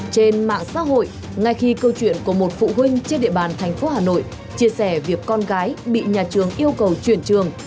trên mạng xã hội ngay khi câu chuyện của một phụ huynh trên địa bàn thành phố hà nội chia sẻ việc con gái bị nhà trường yêu cầu chuyển trường